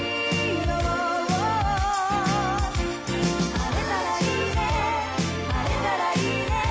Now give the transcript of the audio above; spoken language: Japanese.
「晴れたらいいね晴れたらいいね」